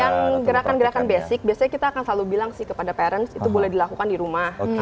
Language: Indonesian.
yang gerakan gerakan basic biasanya kita akan selalu bilang sih kepada parents itu boleh dilakukan di rumah